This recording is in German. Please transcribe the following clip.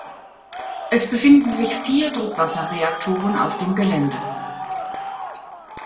Es befinden sich vier Druckwasserreaktoren auf dem Gelände.